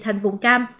thành vùng cam